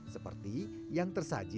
seperti yang tersaji